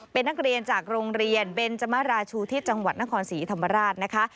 เป็นนักเรียนจากโรงเรียนเบนจมราชูที่จังหวัดนครศรีธรรมราชนะคะ